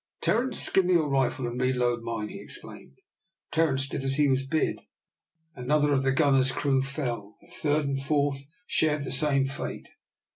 "Terence, give me your rifle, and reload mine," he exclaimed. Terence did as he was bid. Another of the gunner's crew fell; a third and a fourth shared the same fate.